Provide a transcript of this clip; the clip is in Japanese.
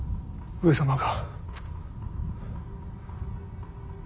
上様が？